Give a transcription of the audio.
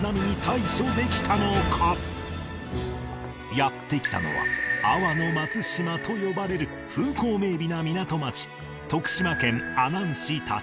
やって来たのは阿波の松島と呼ばれる風光明媚な港町